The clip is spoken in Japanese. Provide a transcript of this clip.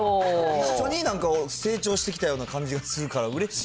一緒になんか成長してきたような感じがするからうれしい。